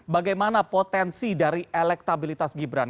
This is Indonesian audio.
bagaimana potensi dari elektabilitas gibran